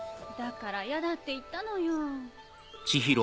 だからやだって言ったのよ。